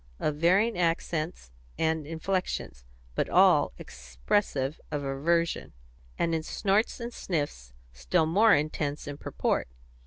of varying accents and inflections, but all expressive of aversion, and in snorts and sniffs still more intense in purport.